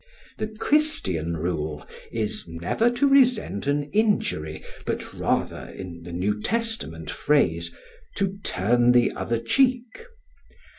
The Christian rule is never to resent an injury, but rather, in the New Testament phrase, to "turn the other cheek."